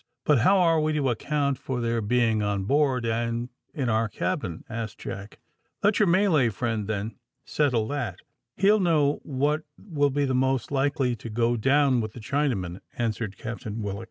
"But how are we to account for their being on board, and in our cabin?" asked Jack. "Let your Malay friend, then, settle that; he'll know what will be most likely to go down with the Chinamen," answered Captain Willock.